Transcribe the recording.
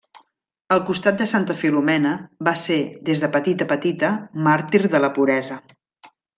Al costat de Santa Filomena va ser, des de petita, petita màrtir de la puresa.